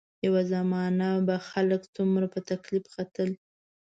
یوه زمانه به خلک څومره په تکلیف ختل.